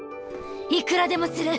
いくらでもする。